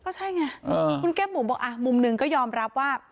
ใช่ไงคุณแก้มบุ๋มบอกมุมหนึ่งก็ยอมรับว่า